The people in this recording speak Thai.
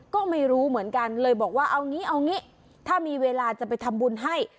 ก็ไม่รู้เหมือนกันเลยบอกว่าเอางี้เอางี้ถ้ามีเวลาจะไปทำบุญให้